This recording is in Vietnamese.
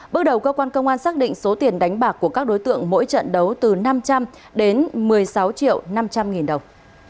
bước đầu cơ quan công an xác định số tiền đánh bạc của các đối tượng mỗi trận đấu từ năm trăm linh đến một mươi sáu triệu năm trăm linh nghìn đồng